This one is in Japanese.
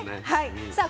さあ